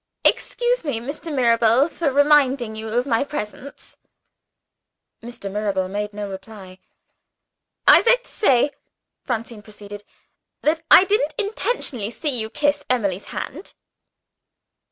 "Excuse me, Mr. Mirabel, for reminding you of my presence." Mr. Mirabel made no reply. "I beg to say," Francine proceeded, "that I didn't intentionally see you kiss Emily's hand."